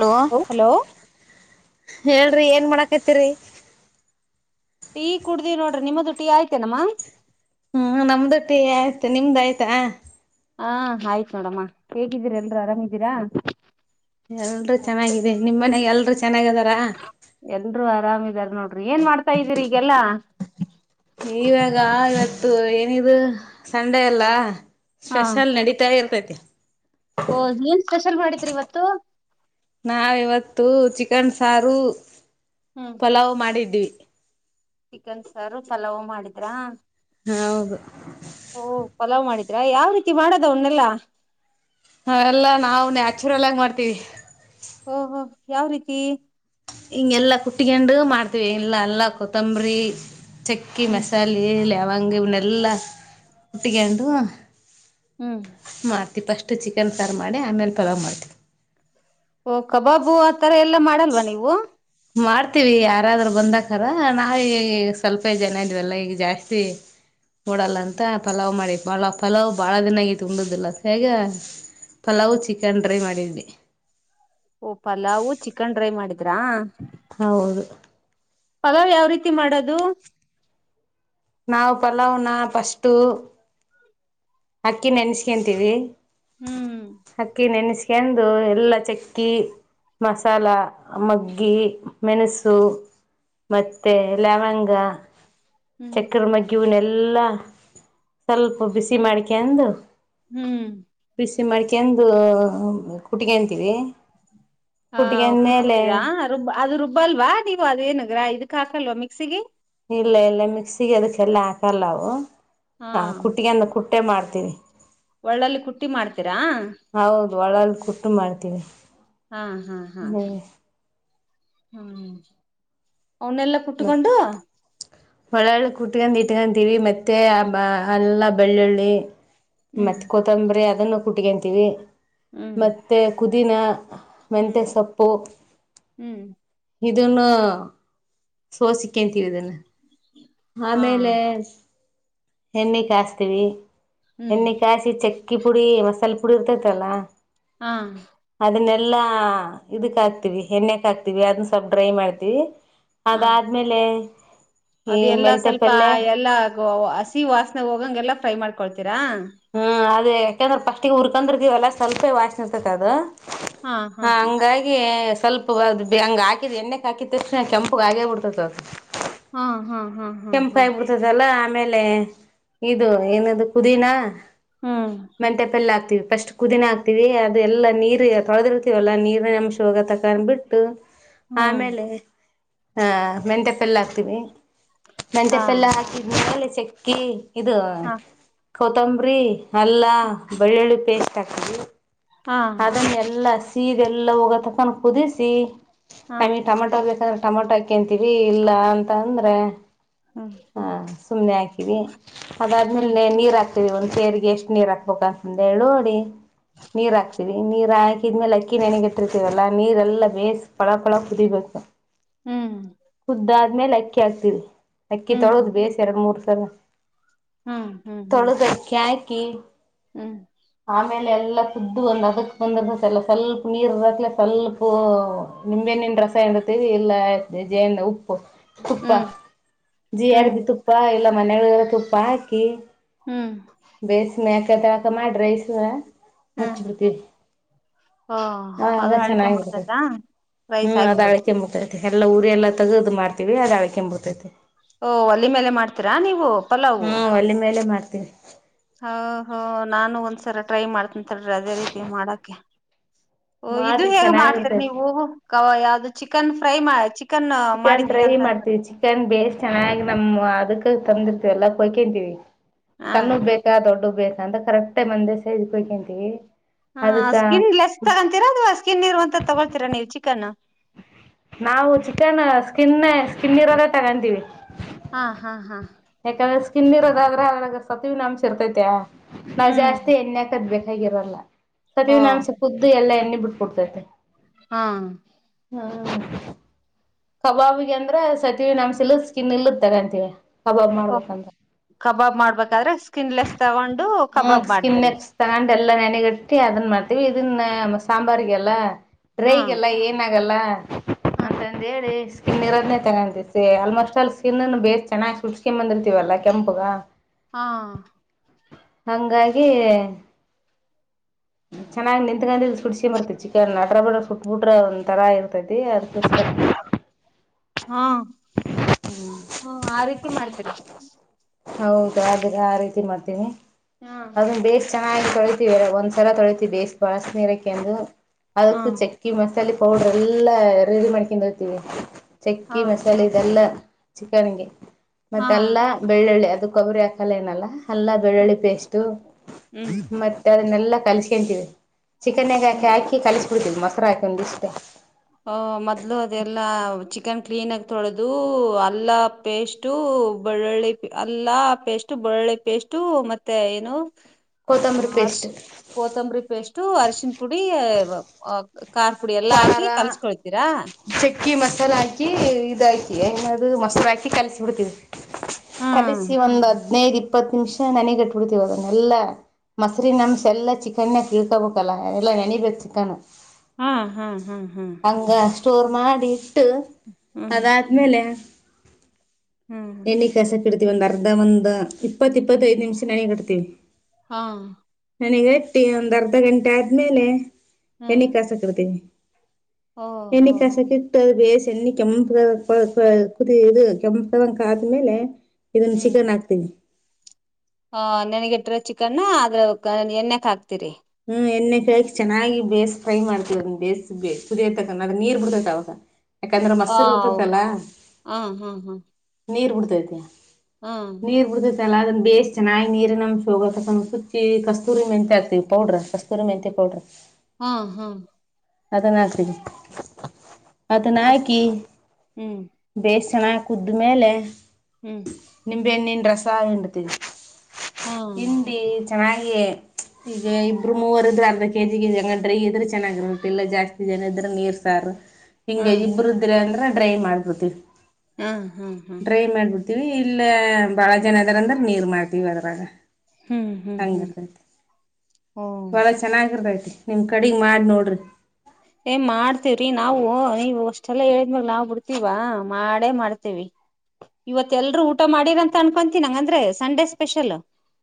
hello ಹ hello ಹೇಳ್ರಿ ಏನ್ ಮಾಡಕೈತಿರಿ ಟೀ ಕುಡ್ದ ನೋಡ್ರಿ ನಿಮ್ಮದು ಟೀ ಆಯ್ತೆನಮ್ಮ ಹ್ಮ್ ನಮ್ದು ಟಿ ಆಯ್ತ್ ನಿಮ್ದ ಆಯ್ತಾ ಹಾ ಆಯ್ತ್ ನೋಡಮ್ಮ ಹೇಗಿದ್ದೀರ ಎಲ್ರು ಆರಾಮಿದ್ದೀರಾ ಎಲ್ರುೂ ಚೆನ್ನಾಗಿದೆ ನಿಮ್ಮ ಮನೆಗ ಎಲ್ರುೂ ಚೆನ್ನಾಗದಾರ ಆರಾಮ್ ಇದರಿ ನೋಡ್ರಿ ಏನ್ ಮಾಡ್ತಾ ಇದೀರಿ ಈಗೆಲ್ಲ ಇವಾಗ ಇವತ್ತು ಏನಿದು ಸಂಡೆ ಎಲ್ಲ ಹಾ ಸ್ಪೆಷಲ್ ನಡೀತಾ ಇರ್ತೈತಿ ಕಪ್ಪ [unintelligible] ಓ ನೀಏನ್ ಸ್ಪೆಷಲ್ ಮಾಡಿದ್ರಿ ಇವತ್ತು ಚಿಕನ್ಸಾರು ಹ್ಮ್ ಪಲಾವ್ ಮಾಡಿದ್ವಿ ಚಿಕನ್ ಸಾರು ಚಲವು ಮಾಡಿದ್ರಾ ಹೌದು ಯಾವ ರೀತಿ ಮಾಡೋದ್ ಅವನ್ನೆಲ್ಲಾ ಹ ಎಲ್ಲಾ ನಾವ್ ನ್ಯಾಚುರಲ್ ಆಗಿ ಮಾಡ್ತೀವಿ ಓಹೋ ಯಾವ್ ರೀತಿ ಹಿಂಗೆ ಎಲ್ಲಾ ಕುಟ್ಟಿಕಂಡು ಮಾಡ್ತಿವಿ ಎಲ್ಲಾ ಎಲ್ಲಾ ಕೊತ್ತಂಬರಿ ಚಕ್ಕಿ ಹ್ಮ್ ಮಸಾಲೆ ಲ ಅಂಗ ಇವ ನೆಲ್ಲ ಕುಟ್ಟಿಕಂಡು ಹ್ಮ್ ಫಸ್ಟಟ್ ಚಿಕನ್ ಫಾರ್ ಮಾಡಿ ಆಮೇಲೆ ಪಲಾವ್ ಮಾಡ್ತೀವಿ ಓ ಕಬಾಬು ಆತರ ಎಲ್ಲಾ ಮಾಡಲ್ವ ನೀವು ಮಾಡ್ತೀವಿ ಯಾರಾದ್ರರು ಬಂದಕಾರರ ನಾವ ಈಗ ಈ ಸ್ವಲ್ಪೇ ಜನ ಇದ್ವಿಲ್ಲ ಈಗ ಜಾಸ್ತಿ ಮೂಡಲ್ಲಂತ ಪಲಾವ್ ಮಾಡಿದ್ ಬಾಳ ಪಲಾವ್ ಬಾಳ ದಿನ ತುಂಡುದಿಲ್ಲ ಹೇಗ ಪಲಾವ್ ಚಿಕನ್ ಡ್ರೈ ಮಾಡಿದ್ವಿ ಇದ್ರಾ ಹೌದು ಪಲಾವ್ ಯಾವ ರೀತಿ ಮಾಡೋದು ನಾವವು್ ಪಲಾವ್ನ ಫಸ್ಟು ಅಕ್ಕಿ ನೆನ್ಸ್ಕಂತೀವಿ ಹ್ಮ್ ಅಕ್ಕಿ ನೆನಸ ಕೆಂದು ಎಲ್ಲ ಚಕ್ಕಿ ಮಸಾಲ ಮಗ್ಗಿ ಮೆಣಸು ಮತ್ತೆ ಲವಂಗ ಹ್ಮ್ ಚಕ್ಕರ್ ಮ ಕ್ಯೂನೆ ಎಲ್ಲ ಸ್ವಲ್ಪ ಬಿಸಿ ಮಾಡ ಕೆಂದು ಹ್ಮ್ ಮ್ಮಡಿಕೆಂದು ಕುಟ್ಟಿಗೆ ಅಂತೀವಿ ಹಾ ಕುಟ್ಟತೀರಾ ರುಬ್ಬ ಅದು ರುಬ್ಬ ಅಲ್ವಾ ನೀವು್ ಅದೇಏನ ಅ್ರ ಇದ ಕಾಸಲ್ವಾ ಮಿಕ್ಸಿಗೆ ಇಲ್ಲ ಇಲ್ಲ ಮಿಕ್ಸಿಗೆ ಅದಕ್ಕೆಲ್ಲ ಹಾಕಲ್ಲವು ಹಾ ಕುಟ್ಟಿಯನ್ನ ಕು ಬಟ್ಟೆ ಮಾಡ್ತೀವಿ ಒಳ್ಳಲ್ಲಿ ಕುಟ್ಟಿ ಮಾಡ್ತೀರಾ ಹೌದು ಒಳಲು ಕುಟ್ಟು ಮಾಡ್ತೀವಿ ಹಾ ಹಾ ಹಾ ಹ್ಞೂ ಹಾ ಹ್ಮ್ ಅವನ್ನೆಲ್ಲ ಕುಟ್ಕೊಂಡು ಕುಟ್ಕೊಂಡ್ ಇಟ್ಕಂತೀವಿ ಮತ್ತೆ ಆ ಎಲ್ಲ ಬೆಳ್ಳುಳ್ಳಿ ಹ್ಮ್ ಮತ್ ಕೊತ್ತಂಬರಿ ಅದನ್ನು ಕುಟ್ಟಕಂತೀವಿ ಹ್ಮ್ ಮತ್ತೆ ಪುದಿನ ಹ್ಮ್ ಮೆಂತೆಸೊಪ್ಪು ಹ್ಮ್ ಇದನ್ನು ಸೋಸಿಕೇಂತೀರದನ್ನು ಹಾ ಆಮೇಲೆ ಹೆಣ್ಣಿ ಕಸ್ತೀವಿ ಹ್ಮ್ ಎನ್ನ ಕಾಸಿ ಚೆಕ್ಕ ಚಕ್ಕಿ ಪುಡಿ ಮಸಾಲೆ ಪುಡಿ ಇರ್ತೈತಲ್ಲ ಹಾ ಎಲ್ಲಾ ಇದಕ್ ಹಾಕ್ತಿವಿ ಎಣ್ಣೆಕ್ ಹಕ್ತಿವಿ ಅದನ್ನ ಸ್ವಲ್ಪ್ ಡ್ರೈ ಮಾಡ್ತೀವಿ ಅದಾದ್ಮೇಲೆ ಈ ಅದು ಎಲ್ಲಾ ಮೆಂತೆ ಸ್ವಲ್ಪ ಪಲ್ಲೆ ಎಲ್ಲ ಆಗುವ ಹಸಿ ವಾಸನೆಾಗ ಹೋಗಂಗೆಲ್ಲ ಫ್ರೈ ಮಾಡ್ಕೊತೀರಿ ಡ ಯಾಕಂದ್ರೆಫಸ್ಟಿಗೆ ಹುರ್ಕೊಂಡ್ರೀ ವಲ್ಲ ಸ್ವಲ್ಪ ವಾಸ್ ನೀ ಇರ್ತತೆ ಅದು ಹಾ ಹಾ ಹ ಹಾ ಹಂಗಾಗಿ ಸ್ವಲ್ಪ ಅ ಹಂಗ ಹಕಿದ್ ಎಣ್ಣೆಗೆ ಹಾಕಿದ ತಕ್ಷಣ ಕೆಂಪುಗ ಆಗೇ ಬಿಡ್ತತ್ ಅದು ಹಾ ಹಾ ಹಾ ಹಾ ಕೆಂಪ ಹಾ ಆಯಿ ಬಿಡ್ತದಲ್ಲಾ ಆಮೇಲೆ ಇದು ಏನದು ಕುದಿನಾ ಹ್ಮ್ ಮೆಂಟೆಪೆಲ್ಲ ಆಗ್ತಿವಿ ಫಸ್ಟ್ ಕುದಿನೆ ಹಾಕ್ತಿೀವಿ ಹ್ಮ್ ಆಮೇಲೆ ಹಾ ಮೆನ್ಫಲ್ಲ ಹಾಕ್ತೀವಿ ಮೆಂಟ ಹಾ ಪೆಲ್ಲಾ ಹಾಕಿದ್ದು ಮೇಲೆ ಚೆಕ್ಕಿ ಇದು ಹಾ ಕೊತ್ತಂಬರಿಿ ಅಲ್ಲಾ ಬೆಳ್ಳುಳ್ಳಿ ಪೇಸ್ಟ್ ಹಾಕರಿ ಹಾ ಅದನ್ನ ಎಲ್ಲ ಸ್ ಸೀದೆಲ್ಲ ಹೋಗ ತಕನ್ ಕುದಿಸಿ ಹಾ ಅಂಗೇ ಟಮಾಟ ಬೇಕಾದ್ರ್ ಟೊಮೊಟೊ ಹಾಕಂತೀವಿ ಇಲ್ಲ ಅಂತ ಅಂದ್ರೆ ಹ್ಮ್ ಹಾ ಸುಮ್ಮ್ನೆ ಹಾಕಿದವಿ ಹ್ಮ್ ಅದಾದ್ಮೇಲೆನೆ ನೀರ್ ಹಾಕ್ತವಿ ಒಂದ್ ಸೇರಿಗೆ ಎಷ್ಟು ನೀರ್ ಹಾಕ್ಬೇಕ ಅಂತಂದ ಹೇಳ ನೋಡಿ ನೀರ್ ಹಾಕ್ತೀವಿ ನೀರ್ ಹಾಕಿದ್ಮೇಲೆ ಅಕ್ಕಿ ನೆನೆಗಿಟ್ಟಿರ್ತೀವಲ್ಲಾ ನೀರ್ಲ್ಲಾ ಬೇಸ್ ಫಳ ಫಳ ಕುದಿಬೇಕು ಹ್ಮ್ ಆಮೇಲ್ ಅಕ್ಕಿ ಆಕ್ತಿವಿ ಅಕ್ಕಿ ಹ್ಮ್ ತೊಳೋದು ಬೇಸಿ ಎರಡು ಮೂರು ಸ [unintelligible] ಹ್ಮ್ ಹ್ಮ್ ಹ್ಮ್ ಕಿ ಹ್ಮ್ ಎಲ್ಲ ಕುದ್ದು ಒಂದು ಅದಕ್ ಬಂದ್ರಸ ಎಲ್ಲ ಸ್ವಲ್ ಕುಪ್ಪ ಹ್ಮ್ ಜಿ ಆರ್ ಹ್ಮ್ ಬಿ ತುಪ್ಪ ಇಲ್ಲ ಮನೆಗಳಲ್ಲ ತುಪ್ಪ ಹಾಕಿ ಹ್ಮ್ ಬೇಸ್ ಮ್ಯಾಕ ತಳಕ ಮಾಡಿ್ ರೈಸ್ ಮುಚ್ಚ ಹ್ಮ್ ಬಿಡ್ತೀವಿ ಓ ಆಗ ಅದು ಹಳಿಕೊಂಡ್ ಚೆನ್ನಾಗಿರ್ತ ಬಿಡ್ತೈತಾ ರೈಸ್ ಹ್ಮ್ ಅದ ಆಗ್ಬಿಡುತ್ತೆ ಅಳಕೆೆಂಬರ್ತತಿ ಎಲ್ಲ ಉರಿ ಎಲ್ಲ ತಗೋದ್ ಮಾಡ್ತೀವಿ ಅದ ಅಳ್ಕಂಬಡ್ತಾತಿ ಓ ಒಲಿ ಮೇಲೆ ಮಾಡ್ತೀರಾ ನೀವು ಪಲಾವು ಹ್ಮ್ ಒಲಿ ಮೇಲೆ ಮಾಡ್ತವಿ [inaudible] ಹ ಹ ನಾನು ಒಂದ್ಸರ ಟ್ರೈ ಮಾಡ್ತಂತಡ್ರಿ ಅದೇ ರೀತಿ ಮಾಡಕೆ ಓ ಇದು ಮಾಡ್ರಿ ಹೇಗ್ ಮಾಡ್ತೀರಿ ಚೆನ್ನಾಗಿರ್ತೈತಿ ನೀವು ಕವಾ ಯಾವ್ದ ಚಿಕನ್ ಫ್ರೈಮಾ ಚಿ ಚಿಕನ್ ಡ್ರೈ ಮಾಡ್ತೀವಿ ಚಿಕನ್ ಬೇಸ್ ಚೆನ್ನಾಗ್ ನಮ ಅದಕ್ಕ ತಂದಿರ್ತಿವಿ ಅಲ್ಲಾ ಕೊಯ್ಕಂತೀವಿ ಹ ಸಣ್ಣವ ಬೇಕಾ ದೊಡ್ಡವ ಬೇ ಅಂತ ಕರೆಕ್ಟ್ ಆಗಿ ಒಂದ ಸೈಜ್ ಕೊಯ್ಕಂತೀವಿ ಹ ಸ್ಕಿನ್ ಲೆಸ್ ತಗೊಂತೀರಾ ಅಥವಾ ಸ್ಕಿನ್ ಇರುವನ್ತದು ಅಂತ ತಗೊಳ್ತೀರಾ ನೀವು ಚಿಕ್ಕ ಕನ್ನ ನಾವು ಚಿಕನ್ ಸ್ಕಿನ್ ಸ್ಕಿನ್ ಇರೋದ ತಗಂತೀವಿ ಹಾ ಹಾ ಹಾ ಯಾಕಂದ್ರ ಸ್ಕಿನ್ ಇರೋದ ಆದ್ರ ಅದರಾಗ ಸತುವಿನ ಅಂಶ ಇರ್ತೈತ್ಯಾ ನಾ ಹ್ಮ್ ಜಾಸ್ತಿ ಎಣ್ಣಿ ಹಾಕದ್ಬೇ ಹೇಗಿರಲ್ಲ ಓ ಸತವಿನಂಶ ಕುದ್ದು ಎಲ್ಲ ಎನ್ನಿ ಬಿಟ್ಟು ಕೊಡ್ತತೆ ಆ ಹಾ ಕಬಾಬಗೆ ಅಂದ್ರ ಸತವಿನಮ್ಶಾ ಇಲ್ಲದ ಸ್ಕಿನ್ ಇಲ್ಲದ ತಗಂತೀವಿ ಕಬಾಬ್ ಓ ಮಾಡ್ಬೇಕಂದ್ರ ಕಬಾಬ್ ಮಾಡ್ಬೇಕಾದ್ರೆ ಸ್ಕಿನ್ಲೆಸ್ ತಗೊಂಡು ಕಬಾಬ್ ಮಾಡ್ತೀರಿ ದೆಲ್ಲ ನೆನೆಗಟ್ಟಿ ಅದನ್ ಮಾಡ್ತೀವಿ ಇದನ್ನ ಸಾಂಬಾರಿಗೆಲ್ಲ ಹ್ಮ್ ಡ್ರೈಗೆಲ್ಲ ಏನ ಎಲ್ಲ ಹಾ ಹೇಳಿ ಸ್ಕಿನ್ ಇರೋದನ್ನೇ ತಗಂತಿವೀ ಆಲ್ಮೋಸ್ಟ್ ಆಲ್ ಸ್ಕಿನನ ಬೇ ಚೆನ್ನಾಗಿ್ ಸುಳಸ್ಗೆಂದ ಬಂದಿರ್ತತಿವಲ್ಲ ಕೆಂಪುಗ ಹಾ ಹಂಗಾಗಿ ಚೆನ್ನಾಗಿ ನಿತ್ಕೊಂಡ ಸುಡ್ಸಕ ಬರ್ತತಿ ಚಿಕನ್ ಅಟ್ರ ಬಿಡ್ರ ಸುಟ್ಬ ಬಿಟ್ರ ಒ ತರಾ ಇರ್ತತಿ ಅದ ಹಾ ಹಾ ಆ ಹ್ಮ ರೀತಿ ಮಾಡ್ತೀರಿ ಹೌದು ಅ ಆ ರೀತಿ ಮಾಡ್ತೀನಿ ಹಾ ಅದನ್ನ ಬೇ್ ಚೆನ್ನಾಗ ಒಂದ್ಸಲ ತೊಳತಿಷ್ಟ ಬಳಸ ನೀರಕ್ಕೆಂದು ಹಾ ಅದಕ್ಕೆ ಚಕ್ಕಿ ಮಸಾಲ ಚಲ್ಲಿ ಪೌಡ್ರ ಎಲ್ಲ ರೆಡಿ ಮಾಡ್ಕಂಡ ಹೋಗ್ತೀವಿ ಚಕ್ಕಿ ಹಾ ಮಸಾಲೆ ಇದೆಲ್ಲ ಚಕ್ಕನಗೆ ಹಾ ಮತ್ತೆಲ್ಲ ಎಳ್ಳಳ್ಳಿ ಅದು ಕೊಬ್ಬರಿ ಹಕಲ್ಲ ಏನಲ್ಲ ಹಲ್ಲ ಬೆಳ್ಳುಳ್ಳಿ ಪೇಸ್ಟು ಹ್ಮ್ ಮತ್ತೆ ಅದನ್ನೆಲ್ಲ ಕಲಸ್ಕೊಳ್ಂತೀವಿ ಚಿಕನ್ಗಾಕಿ ಹಾಕಿ ಕಲ್ಸ್ ಕು ತಿಲ್ ಮಸರ ಯಕೊಂಡ ದಿಸತ ಆ ಮೊದ್ಲು ಅದೆಲ್ಲಾ ಚಿಕನ್ ಕ್ಲೀನ್ ಆಗ ತೊಳದು ಅಲ್ಲ ಪೇಸ್ಟು ಬೆಳ್ಳಳ್ಳಿ ಅಲ್ಲ ಪೇಸ್ಟ್ ಬೆಳ್ಳಳ್ಳಿ ಪೇಸ್ಟು ಮತ್ತೆ ಏನು ಹ ಕೊತ್ತಂಬರಿ ಅಷ್ಟ ಪೇಸ್ಟ್ ಕೊತ್ತಂಬರಿ ಪೇಸ್ಟ್ ಟೂ ಅರಿಶನ್ ಪುಡಿ ಕಾರ್ ಪುಡಿ ಎಲ್ಲ ಹಾಕಿ ಖಾರ ಕಲ್ಸ್ಕೊಳ್ತೀರಾ ಚಕ್ಕಿ ಮಸಾಲೆ ಹಾಕಿ ಇದ ಏನ ಅದು ಮೊಸರು ಹಾಕಿ ಕಲಸಬಿಡ್ತವಿ ಖಾಲ ಹ್ಮ್ ಸಿ ಒಂದಂದುದ ಹದಿನೈದು ಇಪ್ಪತ್ತು ನಿಮಿಷ ನನೆಗಟ್ಬಿಡ್ತಿೀವ ಅದನ್ನೆಲ್ಲ ಮೊರಿನ ಅಂಷ ಎಲ್ಲ ಚಿಕನ್ನ ಕೀಳ್ಕೊಬೇಕಲ್ಲ ಎಲ್ಲ ನೆನಬೇಕು ಚಿಕನ್ ಹಾ ಹಾ ಹಾ ಹಾ ಚೋರ್ ಮಾಡಿ ಬಿಟ್ಟು ಹ್ಮ್ ಅದಾದ್ಮೇಲೆ ಹ್ಮ್ ಎನ ಕ ಸ ಇಡ್ತಿೀವಿ ಒಂದ್ ಅರ್ಧ ಒಂದ್ ಇಪ್ಪತ್ತ ಇಪ್ಪತ್ತಐದ್ ನಿಮಿಷ ನನಗ್ ಕಡ್ತೀವಿ ಹಾ ನನಗ್ಟ್ಟಿ ಒಂದಂದು ಅರ್ಧ ಗಂಟೆ ಆದ್ಮೇಲೆ ಎನ ಹ್ಮ್ ಕಸಕತಿ ಓ ಎನ ಹೋ ಕಸ ಕಟ್ಟ ಅ ಬೇಸಿ ಚನ್ನಿ ಕೆಂಪ ಕುದ ಇದು ಕೆಂಪ ಕರಂಕಾದ್ಮೇಲೆ ಇದನ್ನ ಚಿಕನ್ ಹಾಕ್ತೀನಿ ಹ ನನ್ಗಿಟ್ರ ಚಿಕನ್ ಆದ್ರ ಎಣ್ಣೆಕ್ ಹಾಕ್ತಿೀರಿ ಹ್ಮ್ ಎಣ್ಣೆ ಕೆಕಿ ಚೆನ್ನಾಗಿ ಬೇಸ್ ಫ್ರೈ ಮಾಡ್ತವ ಬೇಯ್ ಸುದಿಯತಕ ಅದ ನೀರ್ ಬಿಡ್ತೈತ್ ಅವಾಗ ಯಾಕಂದ್ರೆ ಆ ಮಸರ್ ಇರ್ತತಲ್ಲ ಹಾ ಹಾ ಹಾ ನೀರ್ ಬಿಡ್ತೈತಿ ಹಾ ನೀರ್ ಉಡುದ ಲ್ಲ ಅದನ್ನ ಬೇಸ್ ಚೆನ್ನಾಗಿ ನೀರಿ ನ ಸುಚ್ಚಿ ಕಸ್ತೂರಿ ಮೆಂತಾ ಇರ್ತವಿ ಪೌಡ್ರ ಕಸ್ತೂರ ಮೆಹತಿ ಪೌಡ್ರ ಹಾ ಹಾ ಅದನ್ನ ಹಾಕತಿ ಅದ ಫಸ್ ನಾಯಕಿ ಹ್ಮ್ ಬೇಸ ಚೆನ್ನಾಗಿ ಕುದ್ಮೇಲೆ ಹ್ಮ್ ನಿಮೆನ್ನನ್ ರಸ್ತೆ ಸಾಯಂಡ ತಿ ಹಾ ಹಂಡಿ ಚೆನ್ನಾಗಿ ಈಗ ಇಬ್ರು ಮೂವರ ಅರ್ಧ ಕೆ ಜಿ ಕೆಜಿ ಅಂಗಡ್ರೈ ಇದ್ರೆ ಚೆನ್ನಾಗಿರುತ್ತೆ ಇಲ್ಲ ಜಾಸ್ತಿ ಜನ ಇದ್ರೆ ನೀರ್ ಸಾರು ಹಾ ಹಿಂಗೆ ಇಬರುದಿ್ರ ಅಂದ್ರ ಡ್ರೈ ಮಾಡ್ಬಿತಿ ಹಾ ಹಾ್ ಹಾ್ ವಿ ಇಲ್ಲ ಬಾಳ ಜನ ಅದಾರ ಅಂದ್ರ ನೀರ್ ಮಾಡ್ತೀವಿ ಅದ್ರಾಗ ಹ್ಮ್ ಹ್ಮ್ ಹ್ಮ್ ಹಂಗರ್ದೈತಿ ಓ ಬಹಳ ಚೆನ್ನಾಗಿರ್ದೈತಿ ನಿಮ್ ಕಡೆಗ್ ಮಾಡಿ ನೋಡ್ರಿ ಏ ಮಾಡ್ತೇವ್ರಿ ನಾವು ನೀವು ಅಷ್ಟೆಲ್ಲಾ ಹೇಳಿದ್ಮಾಗ ನಾವ್ ಬಿಡ್ತೀವ ಮಾಡೇ ಮಾಡ್ತೇವಿ ಇವತ್ ಎಲ್ರುೂ ಊಟ ಮಾಡಿರಂತ ಅನ್ಕೊಂತೀಿ ನಂಗಂದ್ರೆ ಸಂಡೇ ಸ್ಪೆಷಲ್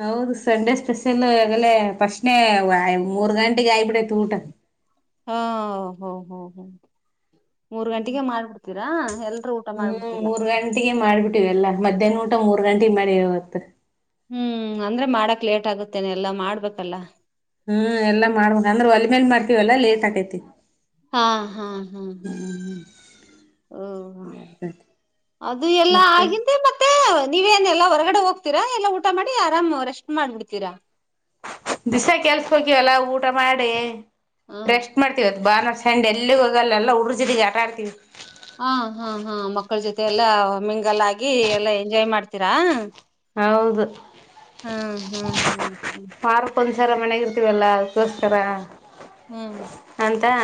ಹೌದು ಸಂಡೆ ಸ್ಪೆಷಲ್ ಈಗಲ್ಲ ಪಸ್ಟ್ನೇ ಮೂರ್ ಗಂಟೆಗೆ ಆಯಬಿ ತಊಟ ಹಾ ಹ ಹ ಹ ಮೂರ್ ಗಂಟೆಗೆ ಮಾಡ್ಬಿಡ್ತ ಹ್ಮ್ ಮೂರ್ ಗಂಟೆಗೆ ಮಾಡ್ಬಿಟ್ಟಿವ ಎಲ್ಲಾ ಮಧ್ಯಾಹ್ನ ಮೂರ್ ಗಂಟೆಗೆ ಮಾಡಿ ಇವತ್ತು ಹ್ಮ್ ಅಂದ್ರೆ ಮಾಡಕ್ ಲೇಟ್ ಆಗುತ್ತೇನೆ ಎಲ್ಲ ಮಾಡ್ಬೇಕಲ್ಲ ಹ್ಮ್ ಎಾ ಮಾಡ್ಬೇಕಕ್ ಅಂದ್ರೆ ಒ ಹಾ ಹಾ ಹಾ ಹ್ಮ್ ಓ ಅದು ಎಲ್ಲ ಮತ್ತೆ ಆಗಿದ್ದ ಮತ್ತೆ ನೀವೇಏನೆಲ್ಲಾ ಹೊರಗಡೆ ಹೋಗ್ತೀರಾ ಎಲ್ಲ ಊಟ ಮಾಡಿ ಆರಾಮ್ ರೆಸ್ಟ್ ಮಾಡ್ಬಿಡ್ತೀರಾ ದ್ಿಸಾ ಕೆಲ್ಸ ಹೋಗ್ಯವಲ್ಲ ಊಟ ಮಾಡಿ ಹ್ಮ್ ರೆಸ್ಟ್ ಮಾಡ್ತವತ್ ಬಾ ನ ಸಂಡ್ ಎಲ್ಲಿ ಹೋಗಲ್ಲ ಉರ್ಸಿದ ಆಟ ಆಡ್ತೀವಿ ಹಾ ಹಾ ಹಾ ಮಕ್ಕಳ ಜೊತೆ ಎಲ್ಲಾ ಮಿಂಗಲ್ ಆಾಗಿಿ ಎಲ್ಲಾ ಎಂಜಾಯ್ ಮಾಡ್ತೀರಾ ಹೌದು ಹ್ಮ್ ಹ್ಮ್ ಹ್ಮ್ ಪಾರ್ ಪ ರ ಮನೆಗ ಇರ್ತೀವಲ್ಲ ಅದಕ್ಕೋಸ್ಕರ ಹ್ಮ್ ಎಂತಾ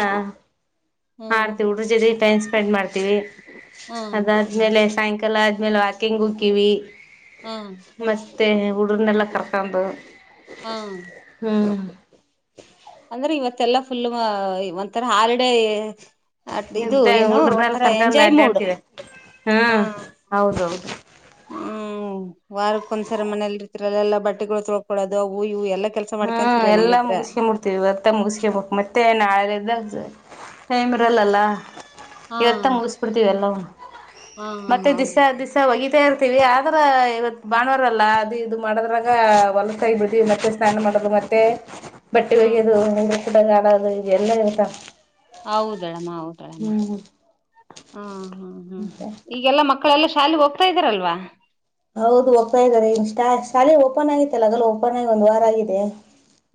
ಹಾರತಿ ಉಡು ಜದೆ ಪನ್ ಸ್ಪೆಂಡ್ ಮಾಡ್ತೀವಿ ಹ್ಮ್ ಅದಾದ್ಮೇಲೆ ಸಾಯಂಕಾಲ ಲ್ಲಾ ಆದ್ಮೇಲೆ ವಾಕಿಂಗ್ ಹುಕ್ಕಿವವಿ ಹಾ ಮತ್ತ ಉಡನ್ನೆಲ್ಲ ಕರ್ಕೊಂಡದು ಹ್ಮ್ ಹ್ಮ್ ಅಂದ್ರೆ ಇವತ್ತೆಲ್ಲಾ ಫುಲ್ ಒಂಥರ ಹಾಲಿಡೇ ಇದು ಇ ಏನು ಉಡ್ರನೆಲ್ಲ ಒಂಥರ ಕರ್ಕೊಂಡ ಎಂಜಾಯ್ ಅಡ್ಡ ಮೂಡ್ ಆಡ್ತಿದೆ ಹಾ ಹೌದೌದು ಹ್ಮ ವಾರಕ್ಕ ಒಂದ್ಸರ ಮನೇಲಿ ಇದ್ರಲ್ಲೆಲ್ಲ ಬಟ್ಟೆಗಳು ತೊಳ್ಕೊೋದು ಅವು ಇವು ಎಲ್ಲ ಹ್ಮ್ ಎಲ್ಲಾ ಮುಗಿಸ್ಕಿಂಬಡ್ತೀವಿ ಭರ್ತ್ತ ಮುಗಿಸ್ಕಕ್ ಮತ್ತೆ ನಾಳೆದ ೈಮ್ರಲ್ಲಲ್ಲಾ ಇವತ್ತ ಹಾ ಮುಗಿಸ್ಬಿಡ್ತಿೀವಿ ಎಲ್ಲ ಹಾ ಹಾ ಮತ್ತೆ ಹೌದು ದಿವ್ಾ ದಿವ್ಸಾ ಹೋಗಿತ ಆದ್ರ ಇವತ್ ಬಾಣುವಾರಲ್ಲ ಅದು ಇದು ಮಾಡದ್ರಾಗ ಹೊಲಸಾಗಿ ಬಿಿಡ್ತೀವಿ ಮತ್ತೆ ಸ್ನಾನ ಮಾಡೋದು ಮತ್ತೆ ಬಟ್ಟೆ ಹಾ ಹೋಗ ಅದು ಕಡ ಕಾಣಾದು ಎಲ್ಲ ಗಸ ಹೌದಾ ಹತಾಳಮ್ಮ ಹ ಹ್ಮ್ ಹ್ಮ್ ಹ್ಮ್ ಈಗೆಲ್ಲಾ ಮ ಮಕ್ಕಳೆಲ್ಲ ಶಾಲೆಗೆಗ್ ಹೋಗ್ತಾ ಇದ್ದಾರಲ್ವಾ ಹೌದು ಹೋಗ್ತಾ ಇದಾರೆ ಇಾ ಶಾಲೆ ಓಪನ್ ಆಗಿತ್ತಲ್ಲಗಲ ಓಪನ್ ಆಗಿ ಒಂದ್ ವಾರ ಆಗಿದೆ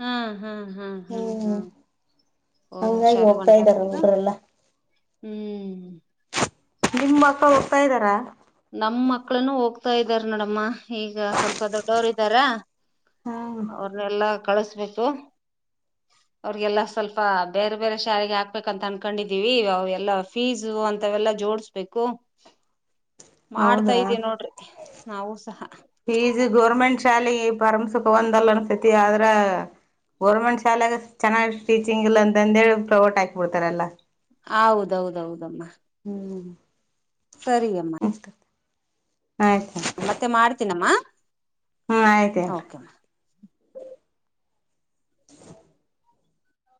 ಹಾ ಹಾ ಹಾ ಹಾ ಹ್ಮ್ ಹಾ ಹಂಗಾಗಿ ಶಾಯದ ಹೋಗ್ತಾ ಇದ್ದಾರೆ ಬಂಂಡಗ ಹುಡುಗರೆಲ್ಲ ಹ್ಮ್ ನಿಮ್ ಮಕ್ಕಳ ಹೋಗ್ತಾ ಇದ್ದಾರಾ ಹೋಗತ ಇದ್ದಾರೆ ನೋಡಮ್ಮ ಈಗ ಸ್ವಲ್ಪ ದೊಡ್ಡವರು ಇದ್ದಾರ ಹಾ ಅವ್ರನ್ನೆಲ್ಲಾ ಕಳಸ್ಬೇಕು ಅವ್ರಿಗೆಲ್ಲ ಸ್ವಲ್ಪ ಬೇರೆ ಬೇರೆ ಶಾಲೆಗೆ ಹಾಕ್ಬೇಕಂತ ಅನ್ಕೊಂಡಿದೀವಿ ಅವ ಎಲ್ಲಾ ಫೀಸು ಅಂತವೆಲ್ಲಾ ಜೋಡಸ್ಬೇಕು ಮಾಡ್ತಾ ಹೌದಾ ಇದೀ ನೋಡ್ರಿ ನಾವು ಸಹ ಶಾಲೆಗೆ ಪರಮ ಸುಖ ಒಂದಲ್ಲ ಅನ್ಸತಿ ಆದ್ರ ಗೋರ್ಮೆಂಟ್ ಶಾಲೆೆಗೆ ಚೆನ್ನಾಗ್ ಟೀಚಿಂಗ್ ಇಲ್ಲ ಅಂತಂದಿ ಪ್ರಮೋಟ್ ಹಾಕಿಬಿಡ್ತಾರಲ್ಲಾ ಹೌದೌದೌದಮ್ಮ ಹ್ಮ ಸರಿ ಅಮ್ಮ ಮತ್ತೆ ಮಾಡ್ತೀನಮ್ಮ ಹ್ಮ ಆಯ್ತ ಅಲ್ ಓಕೆ ಹ್